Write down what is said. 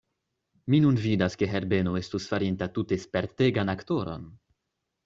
Mi nun vidas, ke Herbeno estus farinta tute spertegan aktoron.